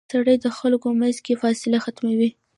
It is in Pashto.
سړک د خلکو منځ کې فاصله ختموي.